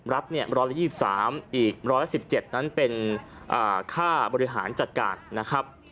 ๑๒๓อีก๑๑๗นั้นเป็นค่าบริหารจัดการนะครับ